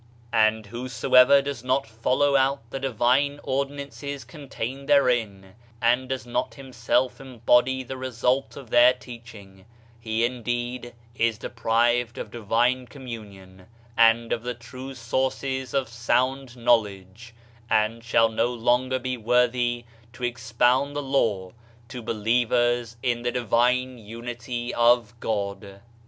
And whosoever does not follow out the divine ordi nances contained therein, and does not himself em body the result of their teaching, he, indeed, is deprived of divine communion, and of the true sources of sound knowledge, and shall no longer be worthy to expound the law to believers in the divine Unity of God.